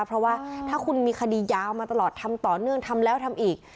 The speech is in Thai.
เพราะว่าถ้าคุณมีคดียาวมาตลอดทำต่อเนื่องทำแล้วทำอีก